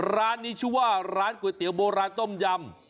ร้านนี้ชื่อว่าร้านก๋วยเตี๋ยวโบราณต้มยำ